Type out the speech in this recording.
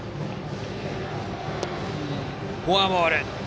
フォアボール。